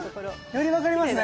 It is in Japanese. より分かりますね。